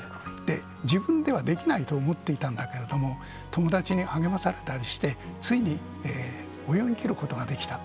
自分ではできないと思っていたんだけれども、友達に励まされたりして、ついに泳ぎきることができた。